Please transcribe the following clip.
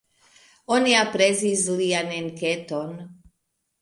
Oni aprezis lian enketon.